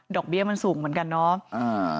เบี้ยมันสูงเหมือนกันเนาะ